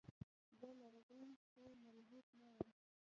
زه لرغون خو ملحد نه يم.